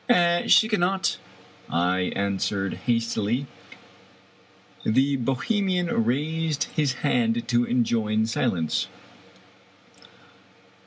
"She cannot," I answered hastily. The Bohemian raised his hand to enjoin silence.